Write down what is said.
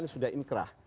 sembilan sudah inkrah